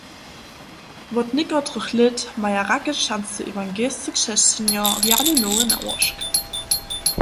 Wot někotrych lět maja Rakečanscy ewangelscy křesćenjo rjany nowy nałožk.